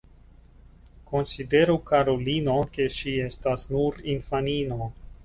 Konsideru, karulino, ke ŝi estas nur infanino.